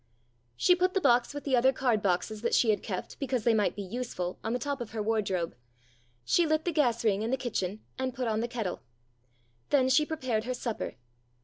She put the box with the other card boxes that she had kept because they might be useful on the top of her wardrobe ; she lit the gas ring in the kitchen, and put on the kettle. Then she prepared her supper.